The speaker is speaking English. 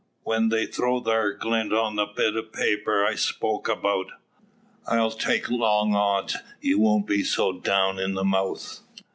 When they throw thar glint on the bit o' paper I've spoke about, I'll take long odds you won't be so down in the mouth.